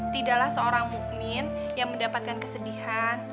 tidaklah seorang mukmin yang mendapatkan kesedihan